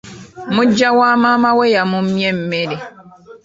Muggya wa maama we yamummye emmere.